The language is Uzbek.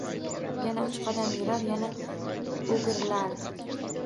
Yana uch qadam yurar, yana oʻgirilardi…